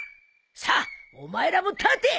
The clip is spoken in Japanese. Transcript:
さあお前らも立て！